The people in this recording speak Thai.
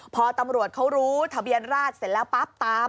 พอตำรวจเขารู้ทะเบียนราชเสร็จแล้วปั๊บตาม